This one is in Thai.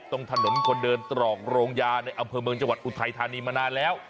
ตรงถนนคนเดินตรอกโรงยาในอำเภอเมืองจังหวัดอุทัยธานีมานานแล้ว